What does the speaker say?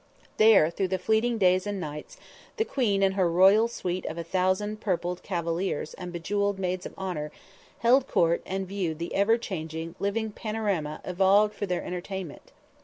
There, through the fleeting days and nights, the Queen and her royal suite of a thousand purpled cavaliers and bejeweled maids of honor, held court and viewed the ever changing, living panorama evolved for their entertainment.